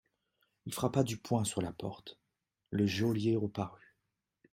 Il frappa du poing sur la porte, le geôlier reparut.